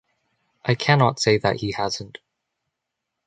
I cannot say that he hasn't.